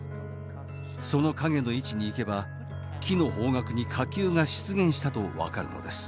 その影の位置に行けば木の方角に火球が出現したと分かるのです。